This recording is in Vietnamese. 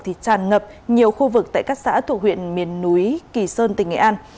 thì tràn ngập nhiều khu vực tại các xã thuộc huyện miền núi kỳ sơn tỉnh nghệ an